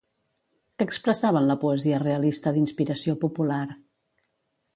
Què expressava en la poesia realista d'inspiració popular?